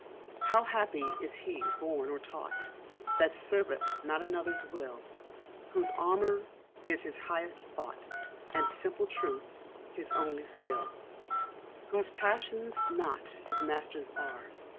How happy is he born or taught, That serveth not another's will, Whose armour is his honest thought, And simple truth his only skill: Whose passions not his masters are.